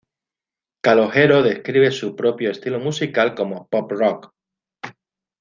Calogero describe su propio estilo musical como "pop rock".